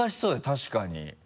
確かに。